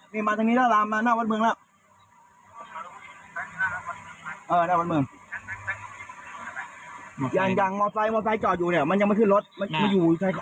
นี่มาทางนี้แล้วลามมาหน้าวัดเมืองแล้ว